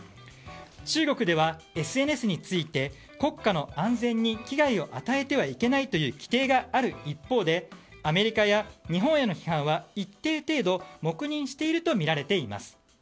中国では、ＳＮＳについて国家の安全に危害を与えてはいけないという規定がある一方でアメリカや日本への批判は一定程度、黙認しているとみられています。